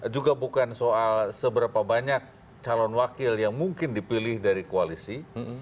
juga bukan soal seberapa banyak calon wakil yang mungkin dipilih dari koalisi